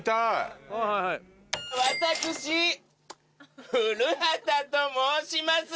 私パッ古畑と申します。